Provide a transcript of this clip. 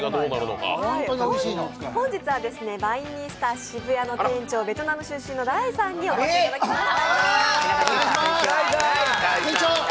本日はバインミースター渋谷の店長、ベトナム出身のダイさんにお越しいただきました。